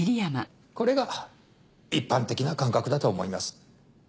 これが一般的な感覚だと思います。